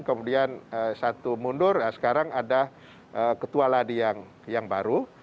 kemudian satu mundur sekarang ada ketua ladi yang baru